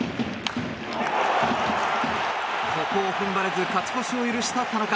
ここを踏ん張れず勝ち越しを許した田中。